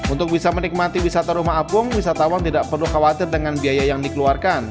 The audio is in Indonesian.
untuk bisa menikmati wisata rumah apung wisatawan tidak perlu khawatir dengan biaya yang dikeluarkan